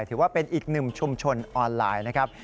ถือว่าเป็นอีกหนึ่งชุมชนออนไลน์นะครับ